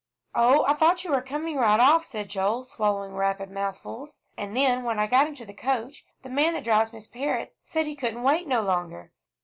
"Oh, I thought you were coming right off," said Joel, swallowing rapid mouthfuls; "and then, when I got into the coach, the man that drives Miss Parrott said he couldn't wait no longer."